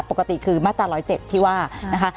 ปกติคือมาตรา๑๐๗ที่ว่านะคะ